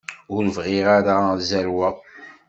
Ur bɣiɣ ara ad zerweɣ.